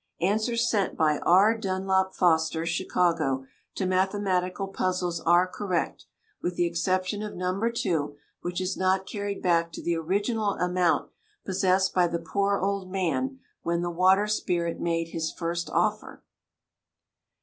Answers sent by R. Dunlop Foster, Chicago, to mathematical puzzles are correct, with the exception of No. 2, which is not carried back to the original amount possessed by the poor old man when the water spirit made his first offer.